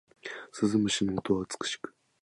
鈴虫の音が美しく